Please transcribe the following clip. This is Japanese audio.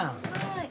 はい。